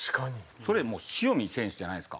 それもう塩見選手じゃないですか？